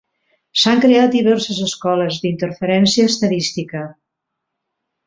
S"han creat diverses escoles d"interferència estadística.